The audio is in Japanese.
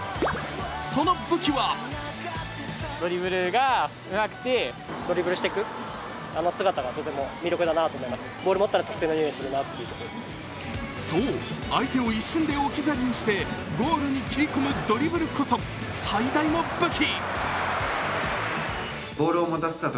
その武器はそう、相手を一瞬で置き去りにしてゴールに切り込むドリブルこそ最大の武器。